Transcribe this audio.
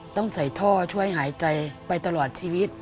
ต้องใส่ท่อช่วยหายใจไปตลอดชีวิต